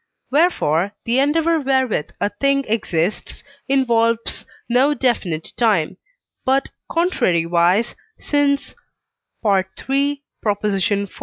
Wherefore the endeavour wherewith a thing exists involves no definite time; but, contrariwise, since (III. iv.)